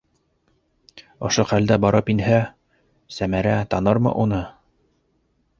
Ошо хәлдә барып инһә, Сәмәрә танырмы уны?